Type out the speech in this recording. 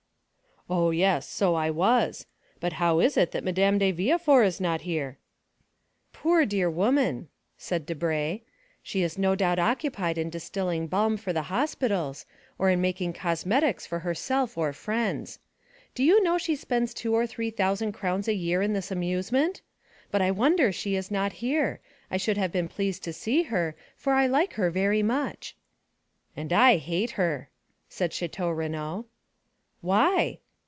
"Ah, yes, so I was. But how is it that Madame de Villefort is not here?" "Poor, dear woman," said Debray, "she is no doubt occupied in distilling balm for the hospitals, or in making cosmetics for herself or friends. Do you know she spends two or three thousand crowns a year in this amusement? But I wonder she is not here. I should have been pleased to see her, for I like her very much." "And I hate her," said Château Renaud. "Why?"